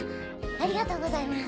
ありがとうございます。